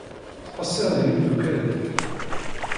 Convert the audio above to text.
Ttqeṣṣir ed yimeddukal-nnek.